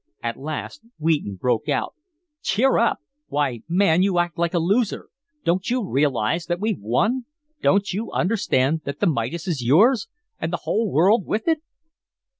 At last Wheaton broke out: "Cheer up! Why, man, you act like a loser. Don't you realize that we've won? Don't you understand that the Midas is yours? And the whole world with it?"